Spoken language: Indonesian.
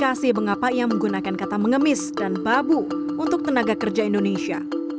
fahri menjelaskan menggunakan kata mengemis dan babu untuk tenaga kerja indonesia